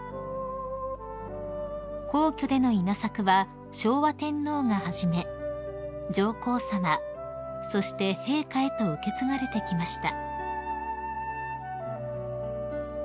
［皇居での稲作は昭和天皇が始め上皇さまそして陛下へと受け継がれてきました］